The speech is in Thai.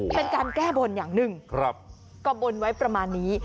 เป็นการแก้บนอย่างหนึ่งก็บนไว้ประมาณนี้